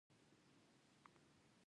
نو مذهب ورته یوه روحاني